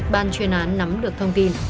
ban truyền án nắm được thông tin